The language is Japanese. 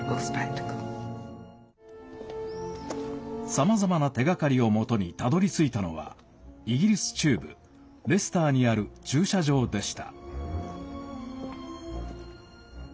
さまざまな手がかりをもとにたどりついたのはイギリス中部レスターにある駐車場でした。